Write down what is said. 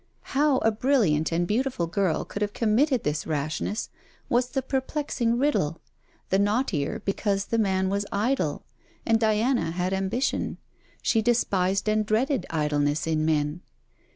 How a brilliant and beautiful girl could have committed this rashness, was the perplexing riddle: the knottier because the man was idle: and Diana had ambition; she despised and dreaded idleness in men.